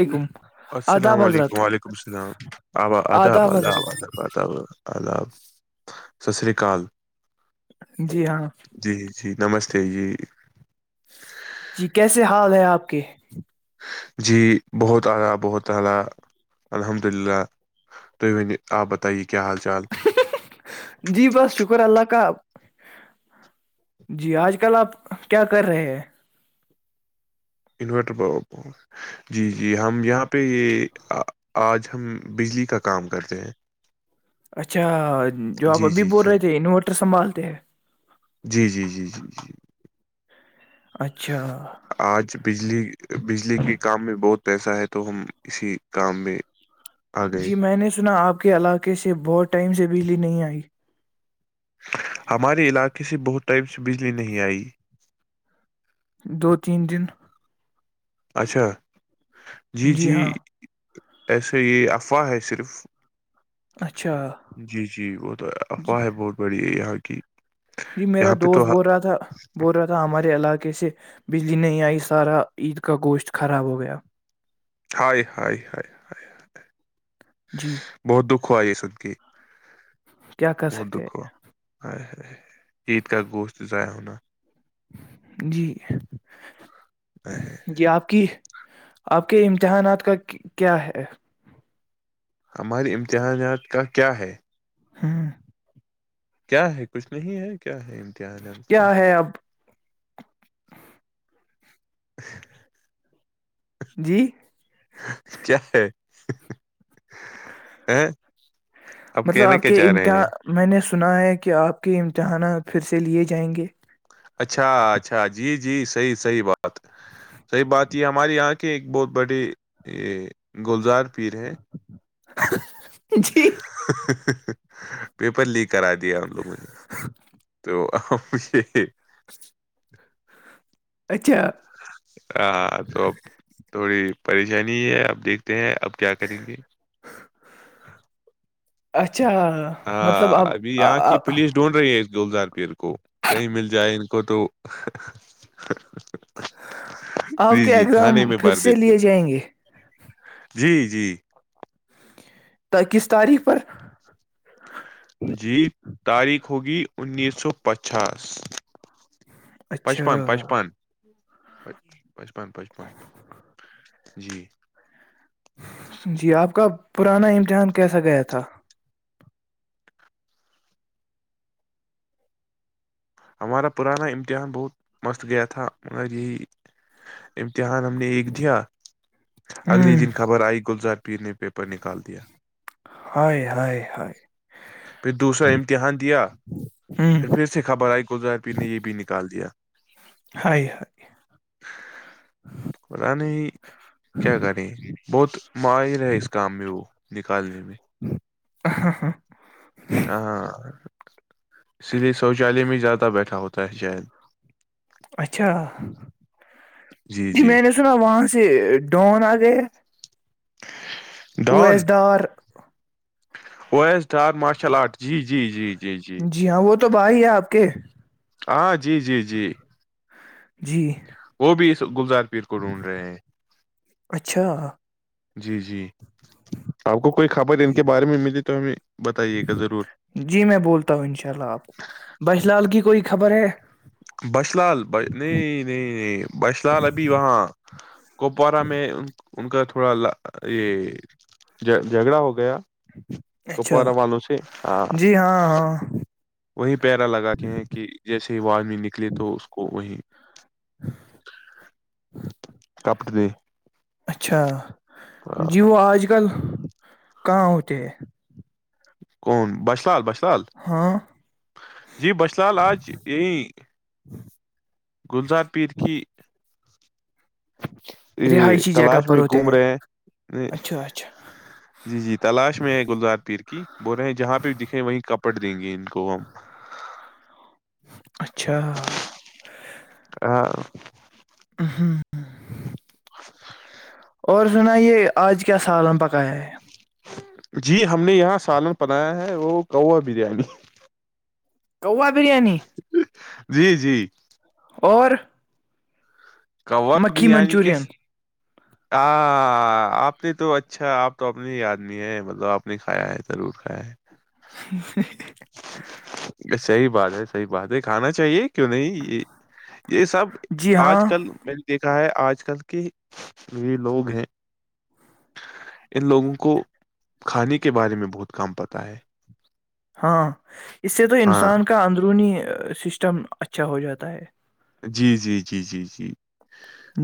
علیکم السلام آداب حضرت علیکم وعلیکم السلام آب آداب آداب آداب آداب آداب ستصری اال جی ہاں جی نمستے جی جی کیسے حال ہے آپ اکے [unintelligible] کیا حال چال جی بس شکر اللہ کا جی آج کل آپ کیا کر رہے ہیں انورٹر جی جی ہم یہاں پہ یہ آج ہم بجلی کا کام کرتے ہیں اچھا جو آپ جی ابھی جی بول جی رہے تھے انورٹر سنبھالتے ہیں جی جی جی جی جی اچھا آج بجلی بجلی کے کام میں بہت پیسہ ہے تو ہم اسی کام میں آ گئے جی میں نے سنا آپ علاقے سے بہت ٹائم سے بجلی نہیں آئی ہمارے علاقے سے بہت ٹائم سے بجلی نہیں آئی دو تین دن اچھا جی جی ایسے یہ افواہ ہے صرف اچھا جی جی وہ تو جی افواہ ہے بہت بڑھیا ہے یہاں کی ٹھیک جی میرا دوست بول رہا تھا بول رہا تھا ہمارے علاقے سے بجلی نہیں آئی سارا عید کا گوشت خراب ہو گیا [unintelligible] جی بہت دکھ کو ج سن کی کیا کر بہت سکتے دکھ ہیں ہے ہے عید کااہ گوشت ضائع ہوناہ جی ہے جی آپ کی آپ کے امتحانات کا کیا ہے؟ ہمارے امتحانات کا کیا ہے ہاں کیا ہے کچھ نہیں ہے کیا ہے امتحان اس کیا کا ہے اب [unintelligible] جی کیا ہے ا اب مطلب کہنا آپ کیا کے چاہ رہے ہیں امتحان میں نے سنا ہے کہ آپ کے امتحانات پھر سے لیے جائیں گے اچھا اچھا جی جی صحیح صحیح بات صحیح بات یہ ہمارے یہاں کی ایک بہت بڑی یہ گلزار پیر ہے [unintelligible] جی [unintelligible] پیپر لیک کرا دیا ان لوگوں نے تو ا [unintelligible] اچھا ا تو اب تھوڑی پریشانی ہے آپ دیکھتے ہیں اب کیا کریں گے اچھ ہاں ابھی یہاں کی پوولس ڈھونڈ رہی ہے اس گولزار پیر کو کہیں مل جائے ان کو تو آپ جی کے جی تھانے اگرام میں پھر بھر سے دیتے لے جائیں گے جی جی کس تاریخ پر جی تاریخ ہوگی انیس سو پچاس اچھا پچپن پچپن [inaudible] پچپن پچپن جی جی آپ کب پرانا امتحان کیسا گیا تھا ہمارا پرانا امتحان بہت مست گیا تھا مگر یہی دھیان ہم نے ایک دیا ہوں اگلے دن خبر آئی گلزد پی نے پیپر نکال دیا ہائے ہائے ہائے پھر دوسرا امتحان دیا ہوں پھر پھر سے خبر آئی گلزار پیر نے یہ بھی نکال دیا ہائے ہائے پتا نہیں کیا کریں بہت ماہر ہے اس کام میں وہ نکالنے میں [inaudible] ہاں اسی لیے شوچالیہ میں زیادہ بیٹھا ہوتا ہے شاید اچھا جی میں نے سنا وہاں سے ڈون آ گیا Owais Dawn Dar O S Dar martial arts جی جی جی جی جی ہاں وہ تو تو بھا ئی ہے آپ کے ہاں جی جی جی جی وہ بھی اس گلزار پیر کو ڈھونڈ رہے ہیں اچھا جی جی آپ کو کوئی خبر ان کے بارے میں ملی تو ہمیں بتائیے گا ضرور جی میں بولتا ہوں انشاء اللہ آپ کو بش لال کی کوئی خبر ہے بش لال نہیں نہیں نہیں بش لال ابھی وہاں کپوارہ میں ان کا تھوڑا یہ جہ جھگڑا ہو گیا اچھا کپورا والوں سے ہاں جی ہاں وہی پیرا لگاتے ہیں کہ جیسے ہی وہدمی نکلے تو اس کو وہی [unintelligible] [inaudible] اچھا جی وہ آج کل کہاں ہوتے کون بش لال بشال سال ہاں جی بش سال آج یہی گلزار پیر کی [inaudible] یہ رہائشی جگہ تلاش پر میں ہوتے گھوم رہے ہیں اچھا اچھا جی جی تلاش میں ہے گلزار پیر کی بول رہے ہیں جہاں پہ دکھے وہ کپ [inaudible] پڑ دیں گے کووم اچھا ہاں ہاں [inaudible] اور سنا یہ آج کیا سال ہم پکایا ہے جی ہم نے یہاں سالن بنایا ہے وہ کا بریانی کوا بریانی جی جی اور مکھی منچورن ہ آپ نے تو اچھا آپ تو اپنے ہی آدمی ہے مطلب آپ نے کھایا ہے ضرور کھایا ہے [inaudible] ہے صحیح بات ہے صحیح بات ہے کھانا چاہیے کیوں نہیں یہ یہ سب جی آج ہاں کل میں نے دیکھ کیا ہے آج کل کے یہ لوگ ہیں ان لوگوں کو کھانے کے بارے میں بہت کام پتا ہے ہاں اس سے تو ہاں انسان کا اندرونی سسٹم اچھا ہو جاتا ہے جی جی جی جی جی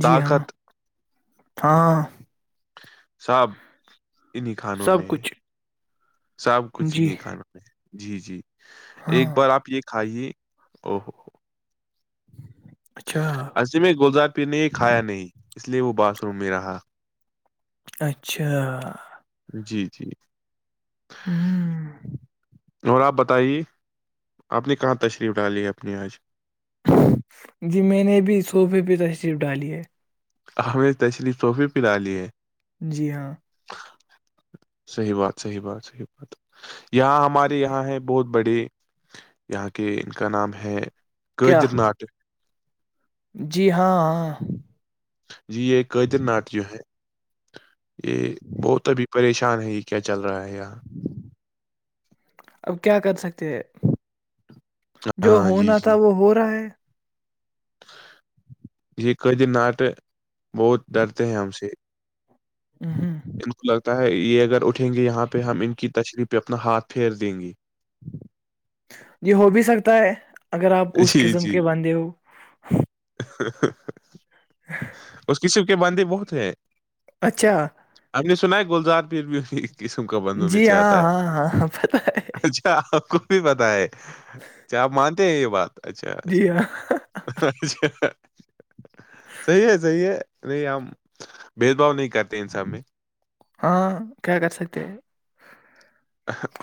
جی ہاں طاقت ہاں سب انہیں کھانوں سب میں کچھ سب کچھ ہی جی نہیں کھانا میں جی جی ہاں ایک بار آپ یہ کھائیے ا [inaudible] اچھا عص میں گلزار پینے یہ کھایا نہیں اس لیئے وہ باتھ روم میں رہا اچھا جی جی ہوں اور آپ بتائیے آپ نے کہاں تشریف ڈالی ہے اپنی آج جی میں نے بھی صوفے پہ تشریف ڈالی ہے ہم تشریفوفی پلا لی ہے جی ہاں صحی بات صحی بات صحیح بات یہاں ہمارے یہاں ہے بہت بڑے یہاں کے ان کا نام ہے کیا قدر ناٹک جی ہاں جی یہ قدر ناٹ جو ہے یہ بہت ابھی پریشان ہے یہ کیا چل رہا ہے یا اب کیا کر سکتے ہیں جو ہاں جی ہونا تھا جی وہ ہو رہا ہے یہ قید ناٹ بہت ڈرتے ہیں ہم سے ہ ہوں تا یہ اگر اٹھیں گے یہاں پہ ہم ان کی تچری پہ اپنا ہاتھ پھیر دیں گے جی ہو بھی سکتا ہے اگر آپ اس جی قسم جی کے باندھے ہو ہاں [unintelligible] ہ کسم کے بندے بہت ہیں اچھا ہم نے سنا ہے گلزار پیر بھی ہو قسم کا بندو میں جی سے ہاں آتا ہے ہاں ہاں پت- ا آپ بھی پت ہے کیا آپ مانتے ہیں یہ بات اچھا جی ہاں اچھا [unintelligible] صی ہے صحی ہے نہیں ہم بد بھا نہیں کرتے انسان میں ہاں کیا کر سکتے ہیں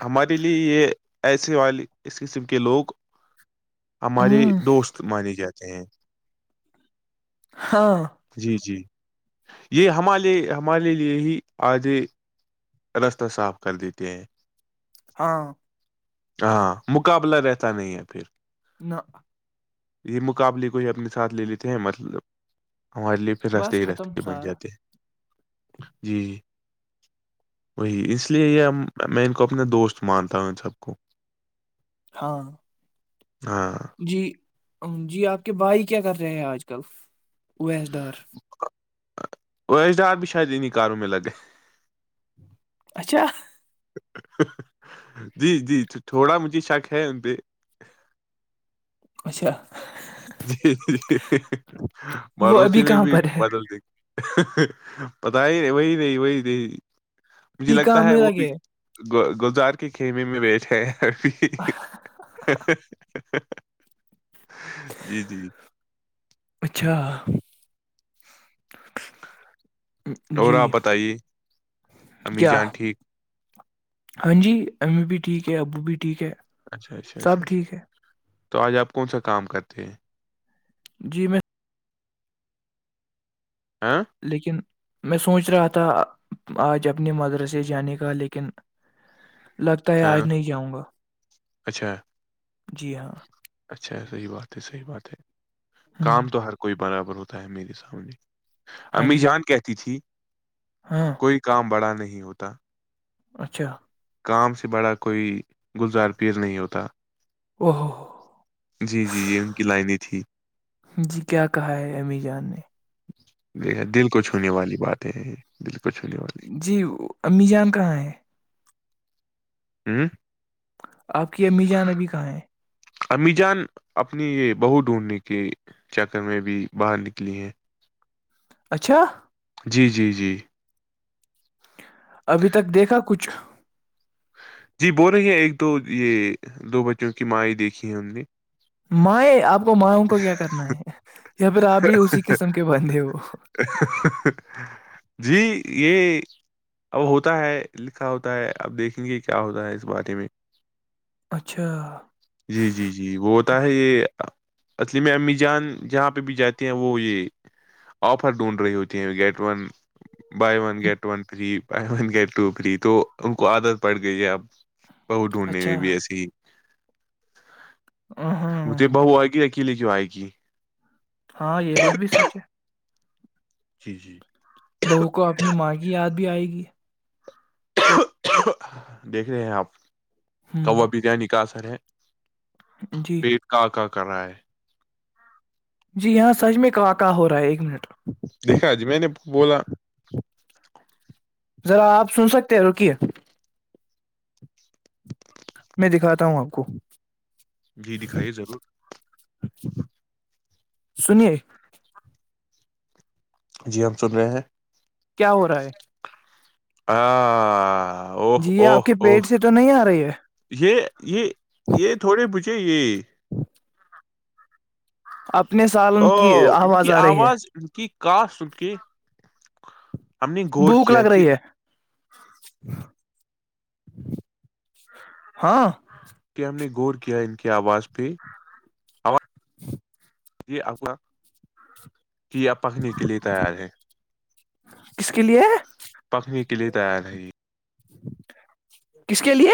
ہمارے لیے یہ ایسے والے اس قسم کے لوگ ہمارے ہمم، دوست مانے جاتے ہ ہاں جی جی یہ ہمارے لیے ہی آھے رستہ صاف کر دیتے ہیں ہاں ہاں مقابلہ رہتا نہیں ہے پھر نہ یہ مقابلے کوئی اپنے ساتھ لے لیتے ہیں مطلب ہمارے لیے پھر رستے بس ہی ختم رہتے بن سارا جاتے جی وہی اس لیے یہ میں ان کو اپنا دوست مانتا ہوں سب کو ہاں ہاں جی جی آپ کے بھائی کیا کر رہے ہیں آج کل اویس ڈار اویس ڈار بھی شاید انہیں کاروں میں لگے اچھا جی جی تھوڑا مجھے شک ہے ان پہ اچھا ج وہ ابھی مروسی میں کہاں بھی پر ہے بدل ت پتا ہی نہیں وہی نہیں وہی نہیں مجھے لگتا کام ہے یں وہ بھی لگے گ گزار کے خیمے میں بیٹھے [unintelligible] جی جی اچھا اور جی آپ بتائیے امی کیا جان ٹھیک ہاں جی امی بھی ٹھیک ہے ابو بھی ٹھیک ہے اچھا اچھا سب اچھا اچھا ٹھیک ہے تو آج آپ کون سا کام کرتے ہیں؟ جی میں ہاں لیکن میں سوچ رہا تھا آج اپنے مدرسے جانے کا لیکن لگتا ہے ہاں آج نہیں جاؤ گا اچھا جی ہاں اچھا صحیح بات ہے صحیح بات ہے ہ کام تو ہر کوئی برابر ہوتا ہوتا ہے میرے سامنے ہاں امی جی جان کہتی تھی ہاں کوئی کام بڑا نہیں ہوتا اچھا کام سے بڑا کوئی گلزار پیز نہیں ہوتا او ہوو ہو جی جی یہ ان کی لائنیں تھی جی کیا کہا ہے امی جان نے گ دل کو چھونے والی بات ہے د جی امی جان کہاں ہے ہوں آپ کی امی جان ابی کہاں ہیں امی جان اپنی یہ بہو ڈھونڈنے کے چکر میں بھی باہر نکلی ہیں اچھا جی جی جی ابھی تک دیکھا کچھ جی بول رہے ہیں ایک دو یہ دو بچوں کی ماں ہی دیکھی ہے ان نے مائیں آپ کو ماوں کو کیا کرنا ہے یا پھر آپ بھی اسی قسم کے بندھے ہو جی یہ اب ہوتا ہے لکھا ہوتا ہے اب دیکھیں گے کیا ہوتا ہے اس بارے میں اچھا جی جی جی وہ ہوتا ہے یہ اسصلیلم امی جان جہاں پہ بھی جاتے ہیں وہ یہ آفر ڈھونڈ رہی ہوتی ہیں get one by one get one three پن گئے ٹوپری تو ان کو عادت پڑ گئی ہے اب بہ ڈوننے اچھا میں بھی اسی ہاں وہ تو بؤ آ گیا کی لگو آئییکی ہاں یہ بات بھی سچ ہے جی جی بہو کو اپنی ماں کی یاد بھی آئے گی دیکھ رہے ہیں آپ ہوں کوا بریانی کا اثر ہے جی پٹ کا کا کرائے جی یہاں سج میں کا واقع ہو رہا ہے ایک منٹ دیکھا جی میں نے بولا ذرا آپ سن سکتے ہیں رکیے میں دکھاتا ہوں آپ کو گ دکھائیے ضرور سنیے جی ہم سن رہے ہیں کیا ہو رہا ہے آ او جی یہ او آپ کے او پیٹ سے تو نہیں آ رہی ہے یہ یہ یہ تھوڑے ب چاہی ہاں آپ او ان کی آواز ان کی کا سن کی ہم نے غور بھوک کیا لگ کہ رہی ہے ہاں کہ ہم نے غور کیا ان کی آواز پہ [unintelligible] جی آپ کا کہ پکنے کے لیے تیار ہے کس کے لیے ہے پکنے کے لیے تیار ہے یہ کس کے لیے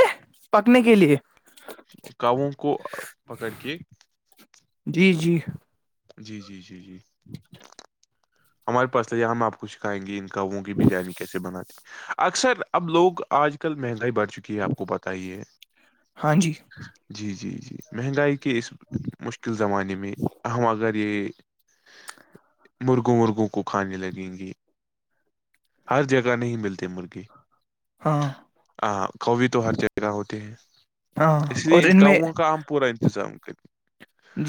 پکنے کے لیے کاووں کو پکڑ کے جی جی جی جی جی جی [inaudible] ہمارے پاس تھا یا ہم آپ کو سکھائیں گے ان کوں کی بریانی کیسے بناات اکثر اب لوگ آج کل مہنگائی بڑھتی چکی ہے آپ کو بتائیے ہاں جی جی جی جی مہنگائی کی کہ اس مشکل زمانے میں اہم اگر [unintelligible] [inaudible] مرگو مرگو کو کھانے لگیں گے ہر جگہ نہیں ملتے مرغے ہاں ہاں کوو تو ہر جگہ ہوتے ہیں ہاں اس لیے اور ان میں کاؤوں کا ہم پورا انتظام کریں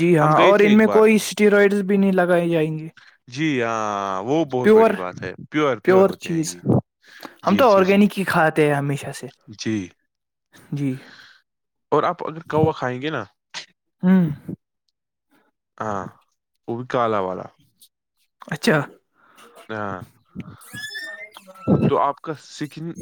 جی ہم ہاں گئے اور تھے ان ایک میں بار کوئی اسٹیرائڈس بھی نہیں لگائے جائیں گے جی ہاں ہاں وہ بہت پیور بڑی بات ہے پیور ہوتے ہیں چیز یہ ہم جی تو جی جی آرگینک ہی کھاتے ہیں ہمیشہ سے جی جی اور آپ اگر کوا کھائیں گے نا ہوں ہاں وہ بھی کالا والا اچھا ہاں [unintelligible] تو آپ کا سکن